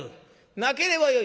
なければよい。